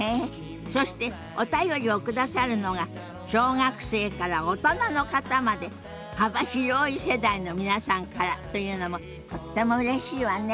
そしてお便りを下さるのが小学生から大人の方まで幅広い世代の皆さんからというのもとってもうれしいわね。